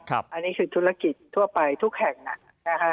อันนี้คือธุรกิจทั่วไปทุกแห่งนะฮะ